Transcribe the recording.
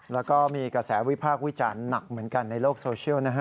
แล้วก็มีกระแสวิพากษ์วิจารณ์หนักเหมือนกันในโลกโซเชียลนะฮะ